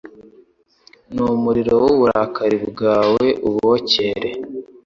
n’umuriro w’uburakari bwawe ubokere